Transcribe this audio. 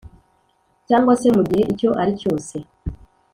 cyangwa se mu gihe icyo ari cyose